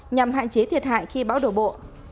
nhằm hạn chế thiệt hại khi bão đổ bộ